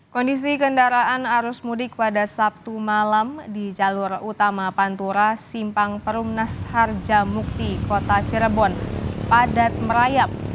kondisi kendaraan arus mudik pada sabtu malam di jalur utama pantura simpang perumnas harjamukti kota cirebon padat merayap